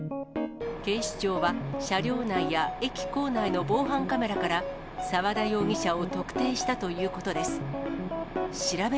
警視庁は、車両内や駅構内の防犯カメラから、沢田容疑者を特定したということです。